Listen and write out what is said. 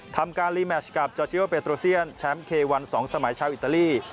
ทำการรีแมชกับจอร์ชิโอเปโตเซียนแชมป์เควัน๒สมัยชาวอิตาลี